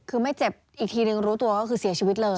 คือไม่เจ็บอีกทีนึงรู้ตัวก็คือเสียชีวิตเลย